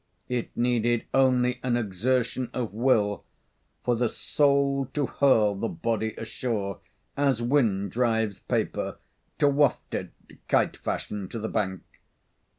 It needed only an exertion of will for the soul to hurl the body ashore as wind drives paper, to waft it kite fashion to the bank.